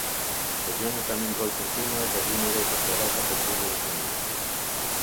Dëgjoni tani mbrojtjen time dhe vini re deklaratat e buzëve të mia.